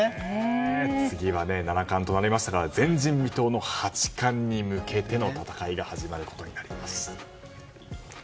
七冠となりましたが前人未到の八冠に向けての戦いが始まることになります。